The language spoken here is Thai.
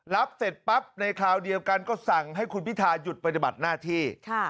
รับเสร็จปั๊บในคราวเดียวกันก็สั่งให้คุณพิทาหยุดปฏิบัติหน้าที่